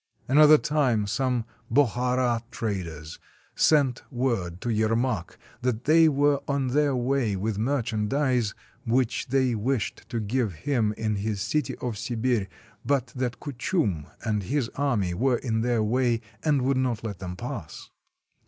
Another time some Bokhara traders sent word to Yer mak that they were on their way with merchandise which they wished to give him in his city of Sibir, but that Kuchum and his army were in their way, and would not let them pass.